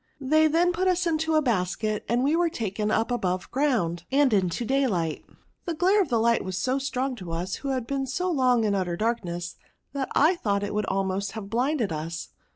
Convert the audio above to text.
They then put us into the basket, and we were taken up above ground, and into daylight. The glare of Hght was so strong to us, who had been so long in utter darkness, that I thought it would almost have blinded us.